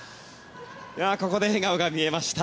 ここで笑顔が見えました。